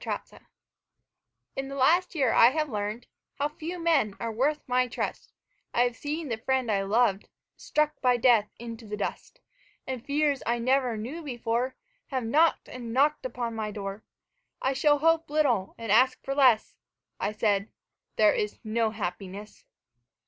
Red Maples In the last year I have learned How few men are worth my trust; I have seen the friend I loved Struck by death into the dust, And fears I never knew before Have knocked and knocked upon my door "I shall hope little and ask for less," I said, "There is no happiness."